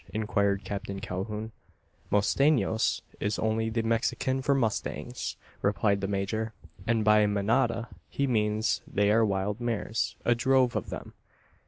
inquired Captain Calhoun. "Mustenos is only the Mexican for mustangs," replied the major; "and by `manada' he means they are wild mares a drove of them.